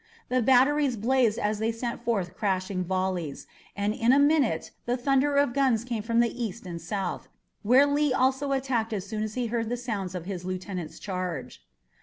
The batteries blazed as they sent forth crashing volleys, and in a minute the thunder of guns came from the east and south, where Lee also attacked as soon as he heard the sounds of his lieutenant's charge.